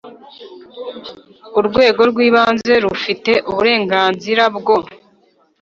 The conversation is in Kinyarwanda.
Urwego rw ibanze rufite uburenganzira bwo